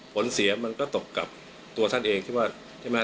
ผลเสียมันก็ตกกับตัวท่านเองที่ว่าใช่ไหม